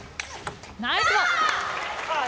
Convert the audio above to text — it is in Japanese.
ナイス。